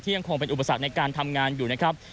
ยังคงเป็นอุปสรรคในการทำงานอยู่นะครับ